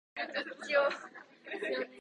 いつまで待てばいいのだろうか。